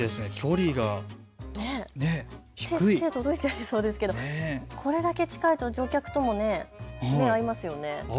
手が届いちゃいそうですけれどもこれだけ近いと乗客とも目が合いますね。